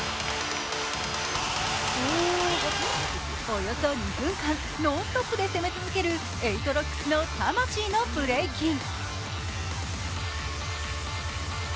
およそ２分間ノンストップで攻め続ける８ＲＯＣＫＳの魂のブレイキン。